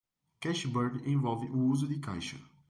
Cash Burn envolve o uso de caixa.